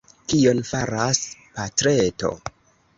Kion faras patreto?